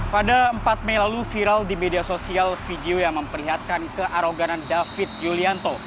pada empat mei lalu viral di media sosial video yang memperlihatkan kearoganan david yulianto